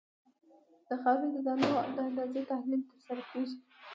د خاورې د دانو د اندازې تحلیل ترسره کیږي